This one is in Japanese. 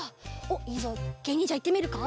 おっいいぞけいにんじゃいってみるか？